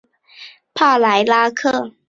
帕莱拉克。